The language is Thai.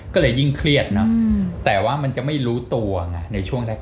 ก็เลยยิ่งเครียดเนอะแต่ว่ามันจะไม่รู้ตัวไงในช่วงแรก